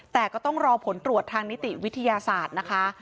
แต่ก็ต้องรอผลตรวจทางนิติวิทยาศาสตร์นะคะ